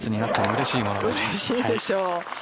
うれしいでしょう。